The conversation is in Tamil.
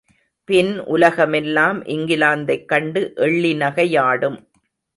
பின் உலகமெல்லாம் இங்கிலாந்தைக் கண்டு எள்ளிநகையாடும்.